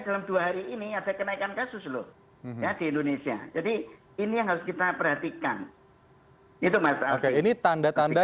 dalam dua hari ini apa kenaikan ke cyclops dad indonesia iran kita perhatikan itu masih tanda tanda